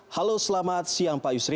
halo selamat siang pak yusri